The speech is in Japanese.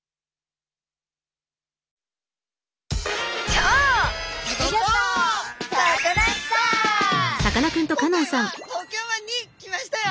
今回は東京湾に来ましたよ！